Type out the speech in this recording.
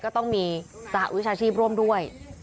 ก็ต้องมีสหวิชาชีพร่วมด้วย